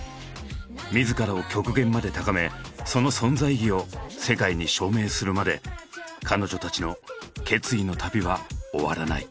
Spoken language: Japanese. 自らを極限まで高めその存在意義を世界に証明するまで彼女たちの決意の旅は終わらない。